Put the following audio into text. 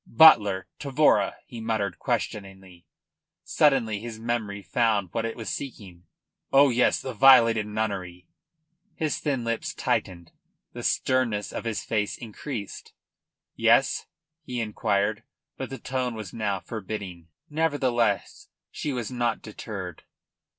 "Butler Tavora?" he muttered questioningly. Suddenly his memory found what it was seeking. "Oh yes, the violated nunnery." His thin lips tightened; the sternness of his ace increased. "Yes?" he inquired, but the tone was now forbidding. Nevertheless she was not deterred.